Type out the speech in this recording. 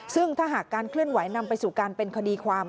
ซึ่งถ้าหากการเคลื่อนไหวนำไปสู่การเป็นคดีความ